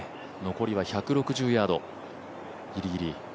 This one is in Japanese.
残りは１６０ヤード、ギリギリ。